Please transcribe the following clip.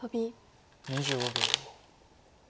２５秒。